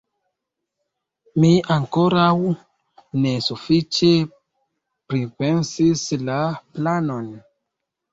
Mi ankoraŭ ne sufiĉe pripensis la planon.